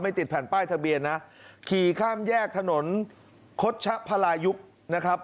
ติดแผ่นป้ายทะเบียนนะขี่ข้ามแยกถนนคดชะพลายุกนะครับ